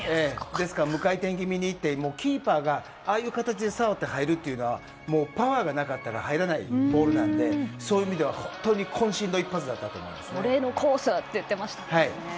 無回転気味にいってキーパーがああいう形で触って入るのはパワーがなかったら入らないボールなのでそういう意味では俺のコースと言ってましたね。